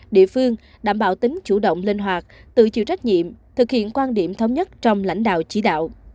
địa phương đảm bảo tính chủ động linh hoạt tự chịu trách nhiệm thực hiện quan điểm thống nhất trong lãnh đạo chỉ đạo